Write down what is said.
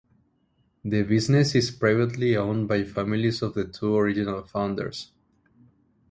The business is privately owned by the families of the two original founders.